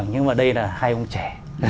nhưng mà đây là hai ông trẻ